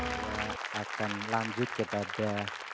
yang akan lanjut kepada